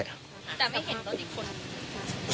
แต่ไม่เห็นรถอีกคน